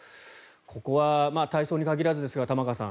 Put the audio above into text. ここは体操に限らずですが玉川さん